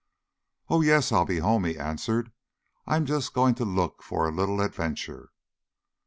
"Oh, yes, I'll be home," he answered, "I'm just going to look for a little adventure."